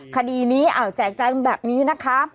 คดีนี้แจกแจงแบบนี้นะคะ